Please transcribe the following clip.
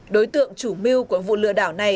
đối tượng chủ mưu của vụ lừa đảo